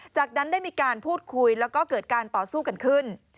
จากนั้นได้มีการพูดคุยแล้วก็เกิดการต่อสู้กันขึ้น